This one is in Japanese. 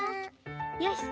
よし！